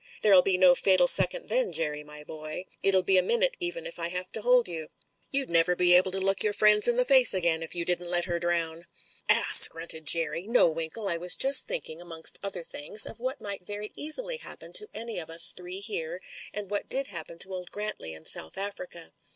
There'll be no fatal second then, Jerry, my boy. It'll be a minute even if I have to hold you. You'd never be able to look yotu* friends in the face again if you didn't let her drown." "Ass!" grunted Jerry. "No, Winkle, I was just thinking, amongst other things, of what might very easily happen to any of us three here, and what did happen to old Grantley in South Africa."